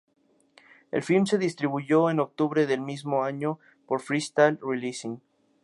El film se distribuyó en octubre del mismo año por Freestyle Releasing.